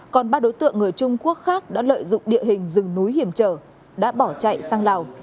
còn ba đối tượng người trung quốc khác đã lợi dụng địa hình rừng núi hiểm trở đã bỏ chạy sang lào